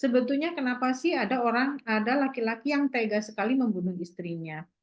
sebetulnya kenapa sih ada orang ada laki laki yang tega sekali membunuh istrinya